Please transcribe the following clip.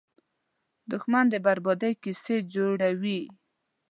دښمن د بربادۍ کیسې جوړوي